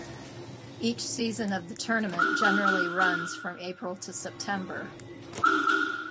Each season of the tournament generally runs from April to September.